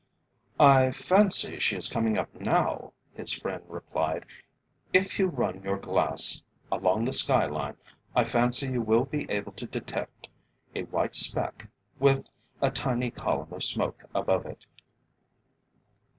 "I fancy she is coming up now," his friend replied. "If you run your glass along the sky line, I fancy you will be able to detect a white speck, with a tiny column of smoke above it."